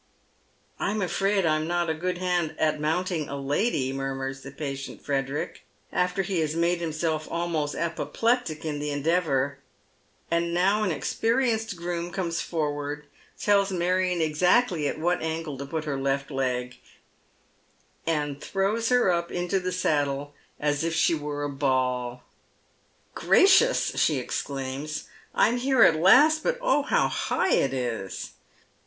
" I'm afraid I'm not a good, hand at mounting a lady," murmurs the patient Frederick, after he has made himself almost apoplectic in the endeavour, and now an experienced groom comes foi ward, tells Marion exactly at what angle to put her left leg, and throws her up into the saddle as if she were a ball. " Gracious 1 " she exclaims, " I'm here at last, but oh, how high it is!"